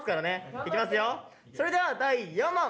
それでは第４問。